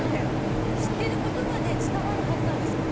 知ってる言葉で伝わるはずなんですよ。